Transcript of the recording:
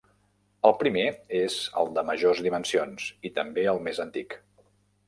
El primer és el de majors dimensions i també el més antic.